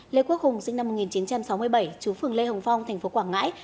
lê quốc hùng sinh năm một nghìn chín trăm sáu mươi bảy trú phường lê hồng phong tp quảng ngãi